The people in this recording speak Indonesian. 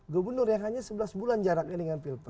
gubernur yang hanya sebelas bulan jaraknya dengan pilpres